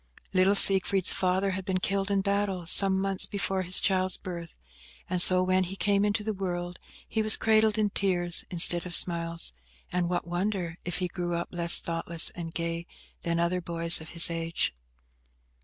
Little Siegfried's father had been killed in battle, some months before his child's birth, and so, when he came into the world, he was cradled in tears instead of smiles; and what wonder if he grew up less thoughtless and gay than other boys of his age?